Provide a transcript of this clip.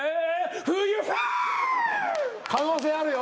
可能性あるよ。